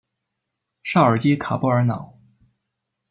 绍尔基卡波尔瑙。